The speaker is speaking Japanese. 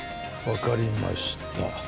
わかりました。